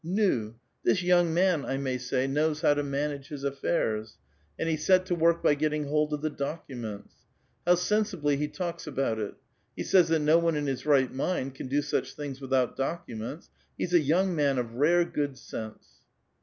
Nu! thisyouug man, I may 8ay, knows how to niunuge his affairs. And lie set to work by gelling hold of llie documents. How seu^bly he talks about it ! he says that no one in his right mind can do such things witliout documents. IIe*s a young man of rare good sense."